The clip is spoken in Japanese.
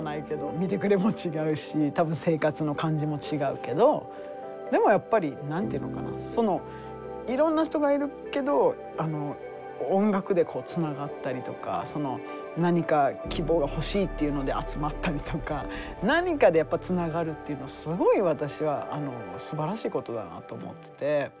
見てくれも違うし多分生活の感じも違うけどでもやっぱり何て言うのかないろんな人がいるけど音楽でこうつながったりとか何か希望が欲しいというので集まったりとか何かでつながるっていうのはすごい私はすばらしいことだなと思ってて。